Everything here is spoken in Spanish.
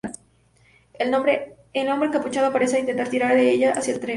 El hombre encapuchado aparece e intenta tirar de ella hacia el tren.